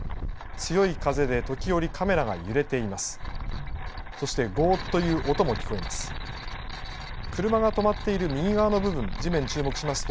強い風で時折カメラが揺れています。